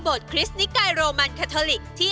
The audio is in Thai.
ก็จะเชิญชวนน้ำชมทางบ้านที่